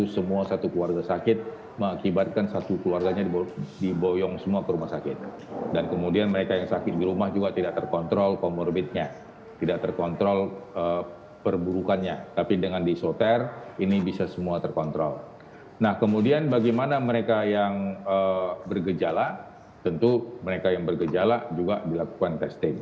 semua wisatawan atau semua yang datang dari luar negeri itu akan dikarantina di wisma pademangan